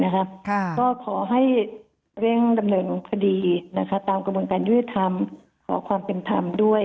ก็ขอให้เร่งดำเนินคดีตามกระบวนการยุติธรรมขอความเป็นธรรมด้วย